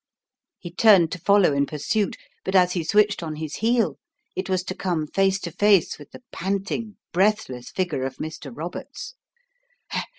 He turned to follow in pursuit, but as he switched on his heel, it was to come face to face with the pant ing, breathless figure of Mr. Roberts.